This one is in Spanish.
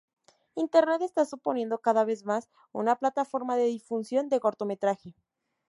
Internet está suponiendo cada vez más una plataforma de difusión del cortometraje.